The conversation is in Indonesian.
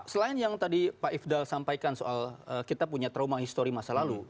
selain yang tadi pak ifdal sampaikan soal kita punya trauma histori masa lalu